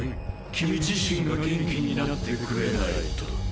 君自身が元気になってくれないと。